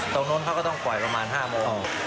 ตรงนู้นเขาก็ต้องปล่อยประมาณ๕โมง